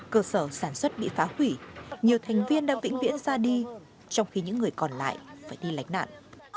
cơ sở sản xuất bị phá hủy nhiều thành viên đã vĩnh viễn ra đi trong khi những người còn lại phải đi lách nạn